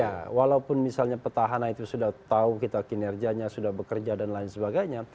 ya walaupun misalnya petahana itu sudah tahu kita kinerjanya sudah bekerja dan lain sebagainya